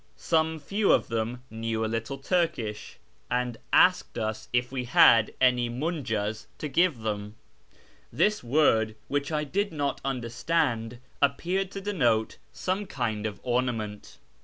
Some few of them knew a little Turkish, and asked us if we had any 40 ./ y/iA/^ AMONGST 71 IE PERSIANS munjas to give thcni. This word, whicli I did not understand, appeared to denote some kind of ornament.